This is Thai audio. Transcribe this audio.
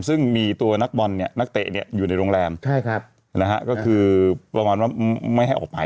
ซึ่งมีตัวนักบอลเนี่ยนักเตะอยู่ในโรงแรมก็คือประมาณว่าไม่ให้ออกไป